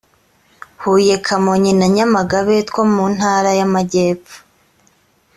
huye kamonyi na nyamagabe two mu ntara y’amajyepfo